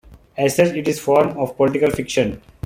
As such it is a form of political fiction.